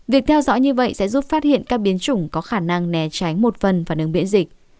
việc theo dõi như vậy sẽ giúp phát hiện các biến chủng có khả năng nè tránh một phần phản ứng biễn dịch